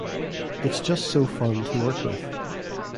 It’s just so fun to work with.